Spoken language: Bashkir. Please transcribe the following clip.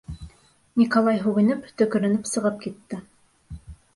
Николай һүгенеп, төкөрөнөп сығып китте.